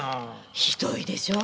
ひどいでしょ？